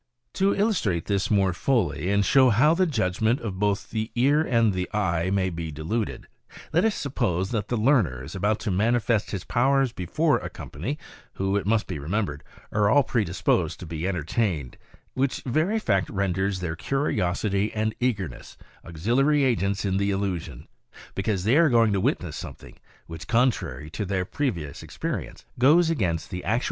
To illustrate this more fully, and show how the judgment of both ear and eye may be deluded, let us suppose that the learner is about to manifest his powers before a company, who, it must be remembered, are all predisposed to be entertained, which very fact renders their curiosity and eagerness auxiliary agents in the illusion, because they are going to witness something which, contrary to their previous experience, goes against the actual evi dence of their senses.